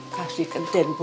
kasih ke din mbak